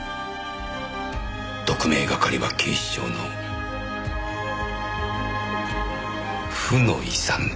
特命係は警視庁の負の遺産だ。